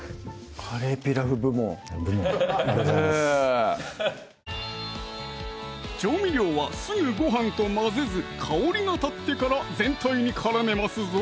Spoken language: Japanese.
カレーピラフ部門調味料はすぐご飯と混ぜず香りが立ってから全体に絡めますぞ